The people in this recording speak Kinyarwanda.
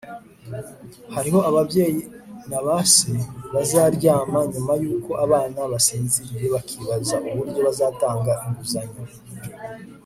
Hariho ababyeyi na ba se bazaryama nyuma yuko abana basinziriye bakibaza uburyo bazatanga inguzanyo